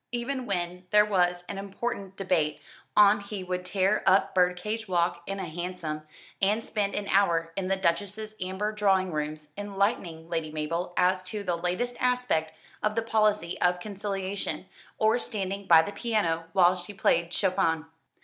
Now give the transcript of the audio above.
Even when there was an important debate on he would tear up Birdcage Walk in a hansom, and spend an hour in the Duchess's amber drawing rooms, enlightening Lady Mabel as to the latest aspect of the Policy of Conciliation, or standing by the piano while she played Chopin.